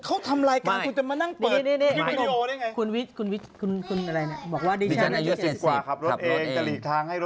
เขาทำลายกลางก็จะมาแ์เปิดวิดีโอนั่อยงั้ย